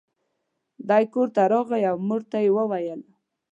دی کور ته راغی او مور ته یې وویل.